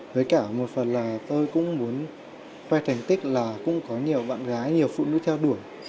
với cả một phần là tôi cũng muốn khoe thành tích là cũng có nhiều bạn gái nhiều phụ nữ theo đuổi